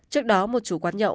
trước đó một chủ quán nhậu